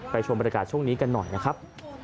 ชมบรรยากาศช่วงนี้กันหน่อยนะครับ